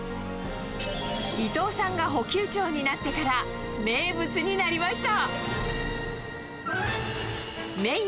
伊藤さんが補給長になってから、名物になりました。